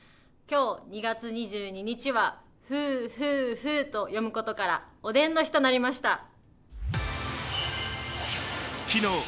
今日、２月２２日はふーふーふーと読むことからおでんの日となりました。